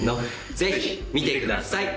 ぜひ見てください。